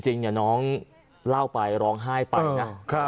จริงน้องเล่าไปร้องไห้ไปนะ